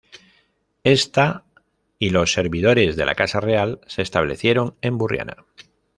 Esta y los servidores de la casa real se establecieron en Burriana.